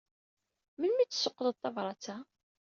Melmi ay d-tessuqqleḍ tabṛat-a?